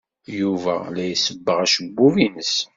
Yuba la isebbeɣ acebbub-nnes.